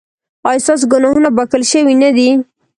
ایا ستاسو ګناهونه بښل شوي نه دي؟